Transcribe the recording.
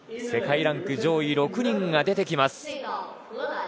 世界ランク上位６人が出てきます。